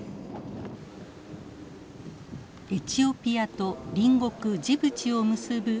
エチオピアと隣国ジブチを結ぶ鉄道。